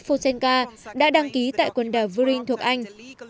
quỹ ủy thác fosenka đã đăng ký tại quần đảo vuring thuộc anh